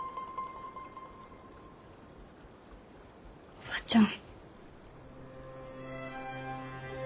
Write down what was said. おばちゃん。